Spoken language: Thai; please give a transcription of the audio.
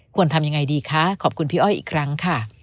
ทำยังไงดีคะขอบคุณพี่อ้อยอีกครั้งค่ะ